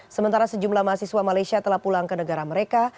sementara sejumlah mahasiswa malaysia telah pulang ke negara mereka